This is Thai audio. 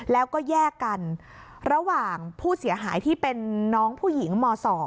แล้วก็แยกกันระหว่างผู้เสียหายที่เป็นน้องผู้หญิงม๒